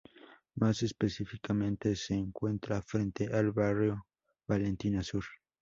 Más específicamente, se encuentra frente al barrio Valentina Sur.